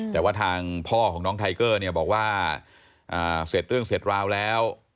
แต่ว่าทางพ่อของน้องไทเกอร์เนี่ยบอกว่าเสร็จเรื่องเสร็จราวแล้ว